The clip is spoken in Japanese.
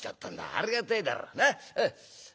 ありがてえだろ？